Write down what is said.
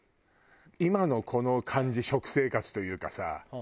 今のこの感じ食生活というかさ。